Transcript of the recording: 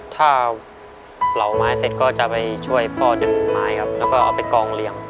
ถ้าเหลาไม้เสร็จก็จะไปช่วยพ่อดึงไม้ครับแล้วก็เอาไปกองเลี้ยง